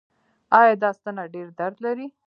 ایا دا ستنه ډیر درد لري؟